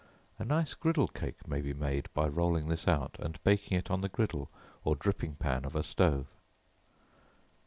A nice griddle cake may be made by rolling this out, and baking it on the griddle or dripping pan of a stove.